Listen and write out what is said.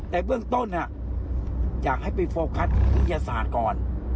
แต่เบื้องต้นอยากให้ไปโฟกัสวิทยาศาสตร์ก่อน